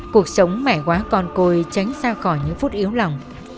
cuộc sống khỏe quá con côi tránh xa khỏi những phút yếu lòng